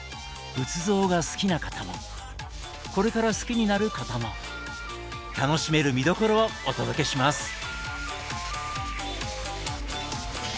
仏像が好きな方もこれから好きになる方も楽しめる見どころをお届けします！